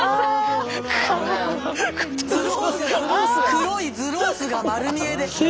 黒いズロースが丸見えです。